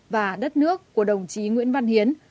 và đất nước của đồng chí nguyễn văn hiến